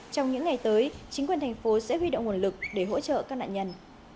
trong những ngày tới chính quyền thành phố sẽ huy động nguồn lực để hỗ trợ các nạn nhân